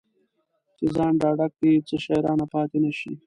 چې ځان ډاډه کړي څه شی رانه پاتې نه شي.